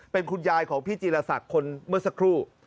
เป็นคุณยายของพี่จีรศักดิ์คนเมื่อสักครู่